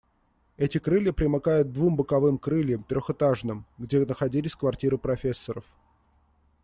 Эти крылья примыкают к двум боковым крыльям, трехэтажным, где находились квартиры профессоров.